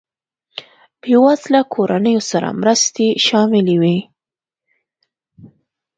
بېوزله کورنیو سره مرستې شاملې وې.